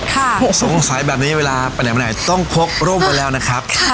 สงสัยแบบนี้เวลาไปไหนมาไหนต้องพกร่มไว้แล้วนะครับ